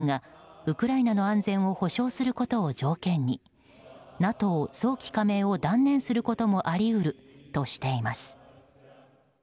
声明ではロシアを含む周辺国がウクライナの安全を保障することを条件にＮＡＴＯ早期加盟を断念することもあり得るとしています。